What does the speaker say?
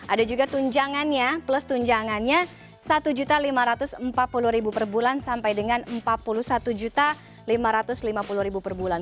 ada juga tunjangannya plus tunjangannya rp satu lima ratus empat puluh per bulan sampai dengan rp empat puluh satu lima ratus lima puluh per bulan